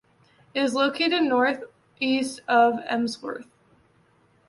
It is located north east of Emsworth.